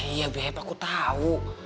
iya beb aku tahu